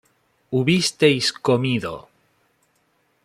hubisteis comido